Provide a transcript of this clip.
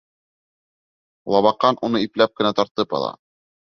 Лабаҡан уны ипләп кенә тартып ала.